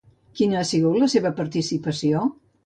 Quina ha sigut la seva participació?